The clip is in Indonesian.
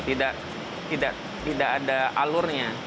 tidak ada alurnya